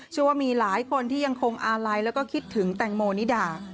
ว่ามีหลายคนที่ยังคงอาลัยแล้วก็คิดถึงแตงโมนิดา